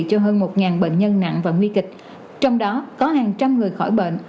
cho hơn một bệnh nhân nặng và nguy kịch trong đó có hàng trăm người khỏi bệnh